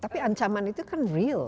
tapi ancaman itu kan real